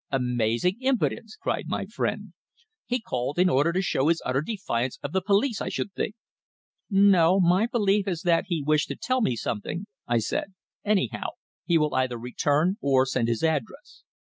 "Amazing impudence!" cried my friend. "He called in order to show his utter defiance of the police, I should think." "No. My belief is that he wished to tell me something," I said. "Anyhow, he will either return or send his address."